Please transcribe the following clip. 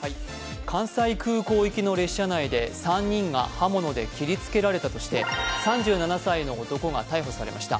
関西空港行きの列車内で３人が刃物で切りつけられたとして３７歳の男が逮捕されました。